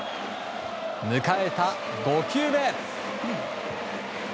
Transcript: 迎えた５球目。